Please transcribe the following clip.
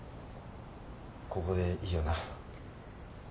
ここでいいよな？